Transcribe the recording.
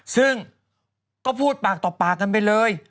ซึ่งก็พูดปากต่อปากกันไปเลย